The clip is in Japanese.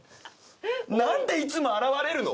何でいつも現れるの⁉